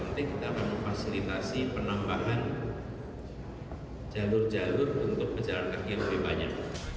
lalu yang ketiga yang terakhir kita akan memfasilitasi penambahan jalur jalur untuk pejalan kaki yang lebih banyak